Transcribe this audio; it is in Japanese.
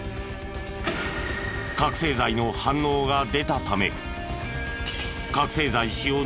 覚醒剤の反応が出たため。